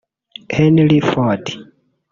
Henry Ford